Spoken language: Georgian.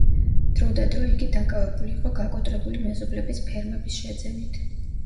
დრო და დრო იგი დაკავებული იყო გაკოტრებული მეზობლების ფერმების შეძენით.